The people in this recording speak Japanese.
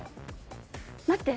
待って。